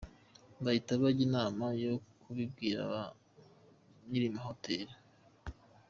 Bahita bajya inama yo kubibwira ba Nyirihotel.